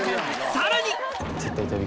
さらに！